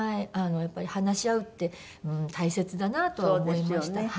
やっぱり話し合うって大切だなとは思いました。